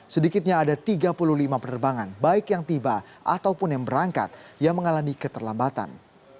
sedikitnya ada tiga puluh lima penerbangan baik yang tiba ataupun yang berangkat yang mengalami keterlambatan